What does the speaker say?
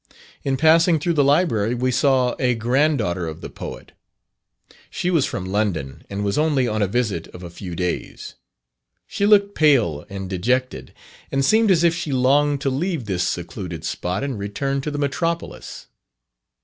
In passing through the Library, we saw a granddaughter of the Poet. She was from London, and was only on a visit of a few days. She looked pale and dejected, and seemed as if she longed to leave this secluded spot and return to the metropolis.